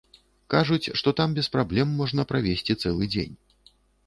Кажуць, што там без праблем можна правесці цэлы дзень.